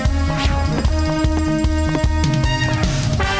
แม่บ้านสวัสดีค่ะ